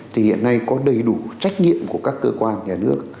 thì hiện nay có đầy đủ trách nhiệm của các cơ quan nhà nước